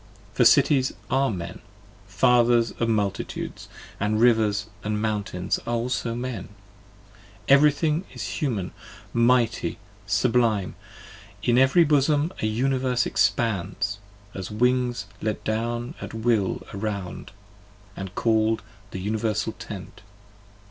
for Cities Are Men, fathers of multitudes, and Rivers & Mountains Are also Men; every thing is Human, mighty! sublime! In every bosom a Universe expands, as wings 50 Let down at will around, ahd call'd the Universal Tent.